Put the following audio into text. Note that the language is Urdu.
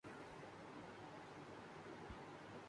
انگریزی میں ایک رات کے اندر مہارت نہیں حاصل کی جا سکتی